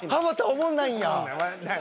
おもんないんや。